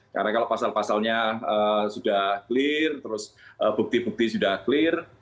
karena kalau pasal pasalnya sudah clear terus bukti bukti sudah clear